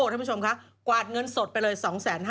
ท่านผู้ชมค่ะกวาดเงินสดไปเลย๒๕๐๐